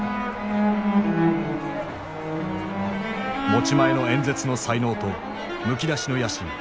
持ち前の演説の才能とむき出しの野心。